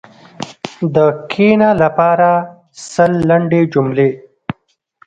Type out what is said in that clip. د “کښېنه” لپاره سل لنډې جملې: